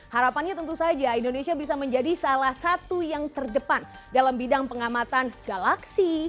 harapannya tentu saja indonesia bisa menjadi salah satu yang terdepan dalam bidang pengamatan galaksi